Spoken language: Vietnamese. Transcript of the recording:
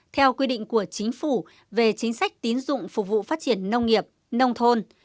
theo quy định của chính phủ về chính sách tín dụng phục vụ phát triển nông nghiệp nông thôn